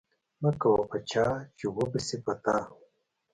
مکوه په چا چی وبه شی په تا